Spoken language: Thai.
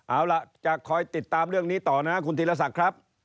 เอาล่ะจะคอยติดตามเรื่องนี้ต่อนะคุณธีรศักดิ์ครับ